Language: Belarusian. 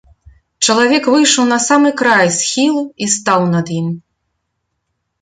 Чалавек выйшаў на самы край схілу і стаў над ім.